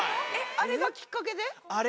あれがきっかけです。